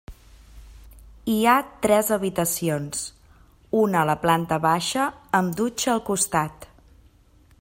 Hi ha tres habitacions, una a la planta baixa amb dutxa al costat.